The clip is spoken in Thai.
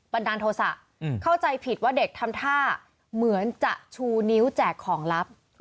ดาลโทษะเข้าใจผิดว่าเด็กทำท่าเหมือนจะชูนิ้วแจกของลับ